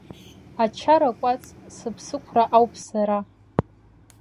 Ачара-кәац сыԥсықәра ауп сара.